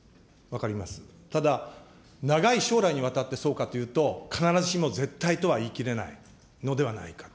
ただ、長い将来にわたってそうかというと、必ずしも絶対とは言い切れないのではないかと。